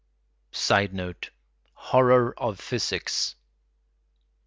[Sidenote: Horror of physics.